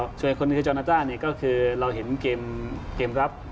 ส่วนใหญ่คนในธิจรณาต้านี่ก็คือเราเห็นเกมรับ